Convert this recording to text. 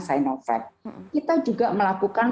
sinovac kita juga melakukan